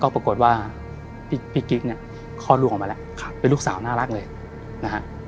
ปรากฏว่าพี่กิ๊กเนี่ยคลอดลูกออกมาแล้วเป็นลูกสาวน่ารักเลยนะฮะ